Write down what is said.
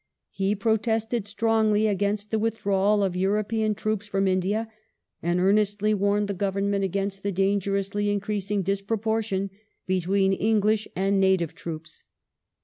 He pro tested strongly against the withdrawal of European troops from India, and earnestly warned the Government against the danger ously increasing disproportion between English and native troops.